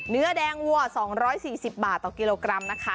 เนื้อแดงวัว๒๔๐บาทต่อกิโลกรัมนะคะ